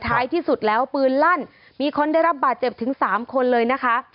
ท้ายที่สุดแล้วปืนลั่นมีคนได้รับบาดเจ็บถึงสามคนเลยนะคะ